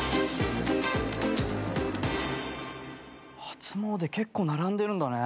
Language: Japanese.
初詣結構並んでるんだね。